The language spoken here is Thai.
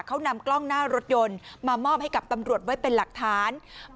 เขานำกล้องหน้ารถยนต์มามอบให้กับตำรวจไว้เป็นหลักฐาน